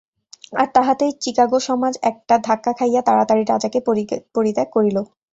আর তাহাতেই চিকাগো সমাজ একটা ধাক্কা খাইয়া তাড়াতাড়ি রাজাকে পরিত্যাগ করিল।